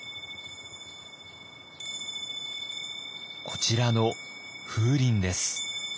こちらの風鈴です。